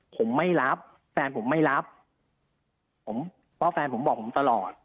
ผมไม่รับแฟนผมไม่รับผมเพราะแฟนผมบอกผมตลอด